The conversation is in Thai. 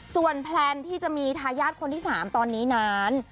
ส่วนแพลนที่จะมีทายาทคนที่๓ตอนนี้นั้น